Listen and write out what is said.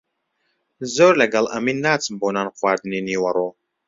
زۆر لەگەڵ ئەمین ناچم بۆ نانخواردنی نیوەڕۆ.